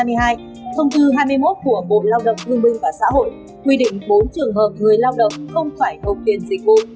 thông tư hai mươi một của bộ lao động thương minh và xã hội quy định bốn trường hợp người lao động không phải nộp tiền dịch vụ